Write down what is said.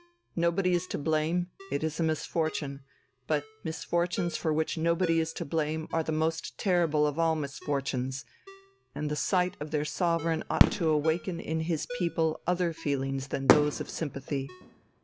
Nobody is to blame, it is a misfortune; but misfortunes for which nobody is to blame are the most terrible of all misfortunes, and the sight of their Sovereign ought to awaken in his people other feelings than those of sympathy.